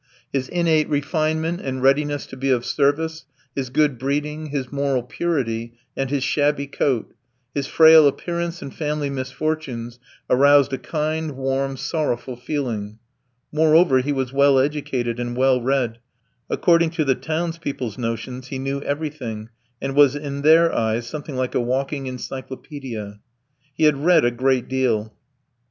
His innate refinement and readiness to be of service, his good breeding, his moral purity, and his shabby coat, his frail appearance and family misfortunes, aroused a kind, warm, sorrowful feeling. Moreover, he was well educated and well read; according to the townspeople's notions, he knew everything, and was in their eyes something like a walking encyclopedia. He had read a great deal.